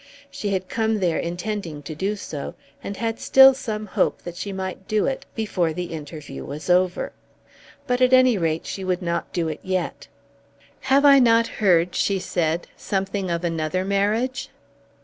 She had come there intending to do so; and had still some hope that she might do it before the interview was over. But at any rate she would not do it yet. "Have I not heard," she said, "something of another marriage?"